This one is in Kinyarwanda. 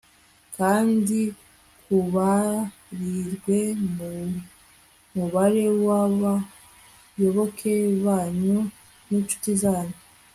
kandi tubarirwe mu mubare w'abayoboke banyu n'incuti zanyu